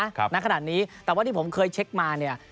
ณขนาดนี้แต่ว่าที่ผมเคยเช็คมาเนี่ย